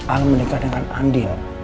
al menikah dengan andin